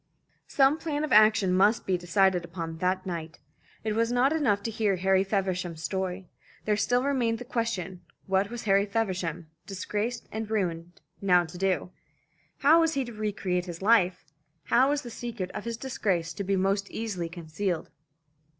Some plan of action must be decided upon that night. It was not enough to hear Harry Feversham's story. There still remained the question, what was Harry Feversham, disgraced and ruined, now to do? How was he to re create his life? How was the secret of his disgrace to be most easily concealed?